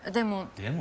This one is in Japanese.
「でも」？